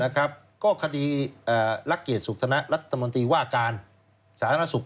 ก็คดีรักเกียจสุขธนรัฐมนตรีว่าการสาธารณสุข